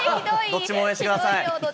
どっちも応援してください。